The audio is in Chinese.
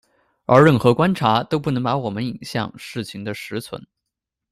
而任何观察都不能把我们引向事情的实存。